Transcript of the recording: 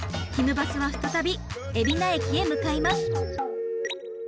バスは再び海老名駅へ向かいます。